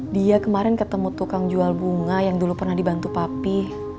dia kemarin ketemu tukang jual bunga yang dulu pernah dibantu papi